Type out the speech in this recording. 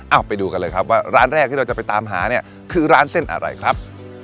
เอาไปดูกันเลยครับว่าร้านแรกที่เราจะไปตามหาเนี่ยคือร้านเส้นอะไรครับ